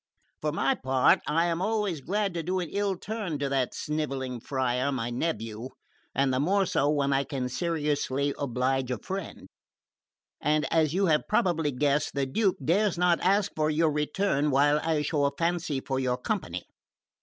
For my part, I am always glad to do an ill turn to that snivelling friar, my nephew, and the more so when I can seriously oblige a friend; and, as you have perhaps guessed, the Duke dares not ask for your return while I show a fancy for your company.